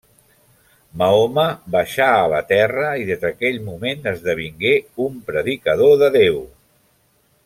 Mahoma baixà a la Terra i des d'aquell moment esdevingué un predicador de Déu.